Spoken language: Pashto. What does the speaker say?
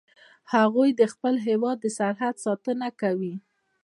هغوی د خپل هیواد د سرحد ساتنه کوي